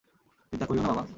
চিন্তা করিও না বাবা।